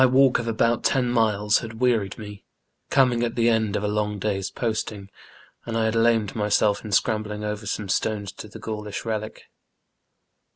walk of about ten miles bad wearied me, coming at tbe end of a long day's posting, and I bad lamed myself in scrambling over some stones to tbe Gaulisb relic.